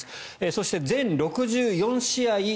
そして、全６４試合